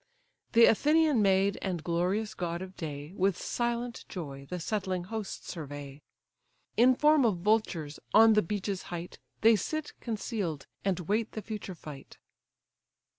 The Athenian maid, and glorious god of day, With silent joy the settling hosts survey: In form of vultures, on the beech's height They sit conceal'd, and wait the future fight.